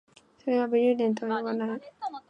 それは武勇伝とは呼ばない